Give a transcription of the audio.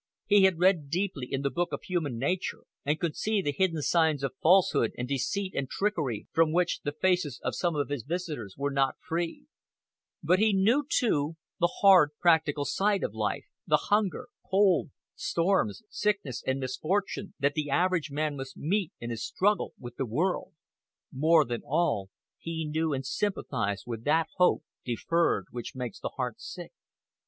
He had read deeply in the book of human nature, and could see the hidden signs of falsehood and deceit and trickery from which the faces of some of his visitors were not free; but he knew, too, the hard, practical side of life, the hunger, cold, storms, sickness and misfortune that the average man must meet in his struggle with the world. More than all, he knew and sympathized with that hope deferred which makes the heart sick.